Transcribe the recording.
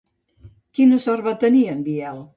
Quina sort va tenir en Biel?